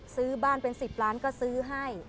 ซื้อบ้านเป็น๑๐ล้านก็ซื้อให้